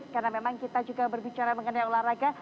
karena memang kita juga berbicara mengenai olahraga